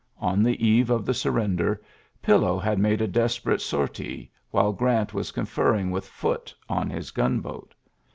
On the eve of the surrender, Pillow had made a desperate sortie while Grant was conferring with Foote on his gunboat.